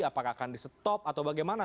apakah akan di stop atau bagaimana